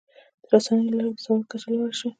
د رسنیو له لارې د سواد کچه لوړه شوې.